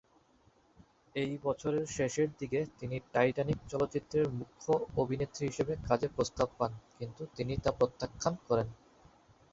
এই বছরের শেষের দিকে তিনি "টাইটানিক" চলচ্চিত্রের মুখ্য অভিনেত্রী হিসেবে কাজের প্রস্তাব পান, কিন্তু তিনি তা প্রত্যাখ্যান করেন।